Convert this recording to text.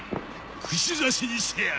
くし刺しにしてやる！